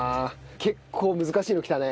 結構難しいのきたね。